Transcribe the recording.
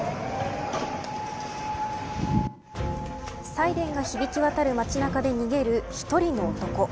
サイレンが響き渡る街中で逃げる１人の男。